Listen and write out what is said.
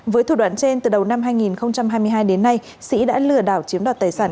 với thủ đoạn trên từ đầu năm hai nghìn hai mươi hai đến nay sĩ đã lừa đảo chiếm đoạt tài sản